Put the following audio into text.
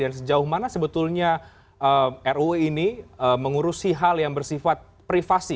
dan sejauh mana sebetulnya ruu ini mengurusi hal yang bersifat privasi